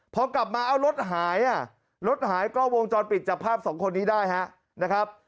พอกลับมาเอารถหายรถหายก็วงจอดปิดจากภาพสองคนนี้ได้นะครับ